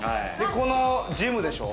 このジムでしょ。